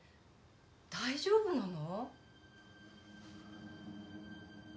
大丈夫なの？